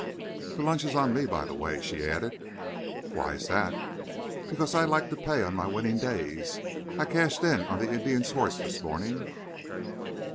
"This lunch is on me, by the way," she added. "Why is that?" "Because I like to pay on my winning days. I cashed in on the Indian's horse this morning."